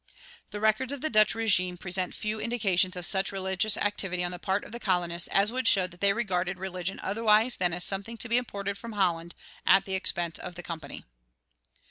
The records of the Dutch régime present few indications of such religious activity on the part of the colonists as would show that they regarded religion otherwise than as something to be imported from Holland at the expense of the Company.